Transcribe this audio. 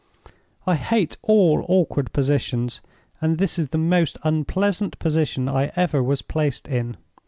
"I hate all awkward positions, and this is the most unpleasant position I ever was placed in.